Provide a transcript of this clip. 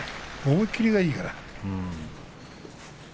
思い切りがいいから。